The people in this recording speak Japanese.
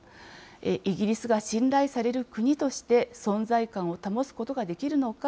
イギリスが信頼される国として存在感を保つことができるのか、